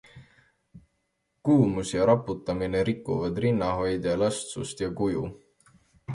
Kuumus ja raputamine rikuvad rinnahoidja elastsust ja kuju.